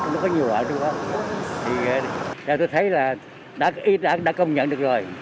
nó có nhiều loại đúng không thì tôi thấy là đã công nhận được rồi